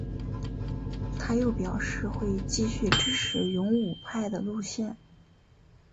他又表示会继续支持勇武派的路线。